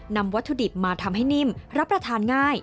วัตถุดิบมาทำให้นิ่มรับประทานง่าย